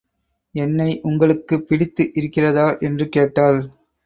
என்னை உங்களுக்குப் பிடித்து இருக்கிறதா என்று கேட்டாள்.